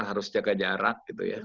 harus jaga jarak